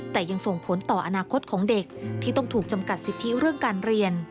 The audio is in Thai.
แต่ยังส่งผลต่ออนาคตของเด็กที่ต้องถูกจำกัดสิทธิเรื่องการเรียน